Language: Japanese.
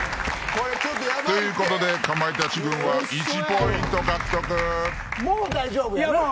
ということでかまいたち軍は１ポイント獲得。